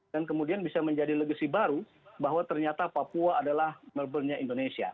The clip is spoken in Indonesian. dan kemudian bisa menjadi legasi baru bahwa ternyata papua adalah melbourne nya indonesia